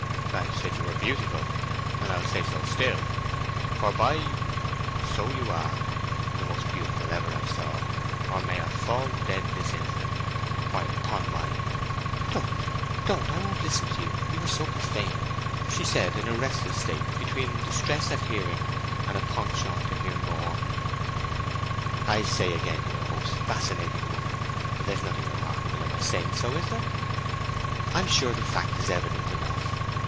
"I said you were beautiful, and I'll say so still; for, by G—— so you are! The most beautiful ever I saw, or may I fall dead this instant! Why, upon my ——" "Don't—don't! I won't listen to you—you are so profane!" she said, in a restless state between distress at hearing him and a penchant to hear more. "I again say you are a most fascinating woman. There's nothing remarkable in my saying so, is there? I'm sure the fact is evident enough.